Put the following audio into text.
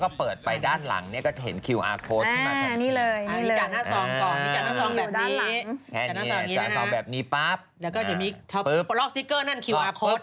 ก็ทำงานตลกมั้ย